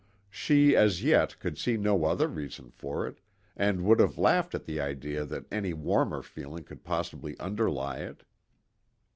She, as yet, could see no other reason for it, and would have laughed at the idea that any warmer feeling could possibly underlie it.